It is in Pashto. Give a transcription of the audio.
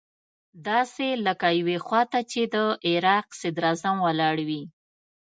داسې لکه يوې خوا ته چې د عراق صدراعظم ولاړ وي.